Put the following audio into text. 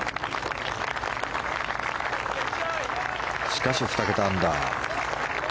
しかし２桁アンダー。